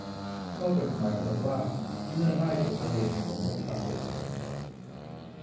เพราะกฎหมายกำหนดว่าเมื่อได้จดทะเบียนสมรสตามกฎหมาย